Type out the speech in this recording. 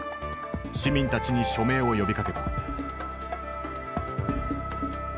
市民たちに署名を呼びかけた。